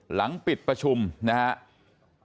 หลังปิดประชุมนะฮะ